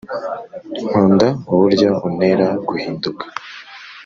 nkunda uburyo untera guhinduka